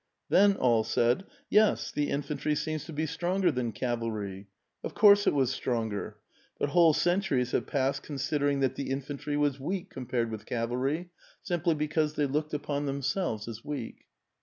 Then all said, ' Yes, the infantry seems to be stronger than cav alry.' Of course it was stronger. But whole centuries have passed considering that the infantry was weak compared with cavalry, simply because they looked upon themselves as weak."